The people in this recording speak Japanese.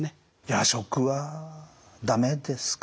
夜食は駄目ですか？